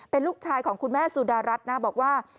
เป็นลูกชายของคุณแม่สุดารัฐนะบอกว่า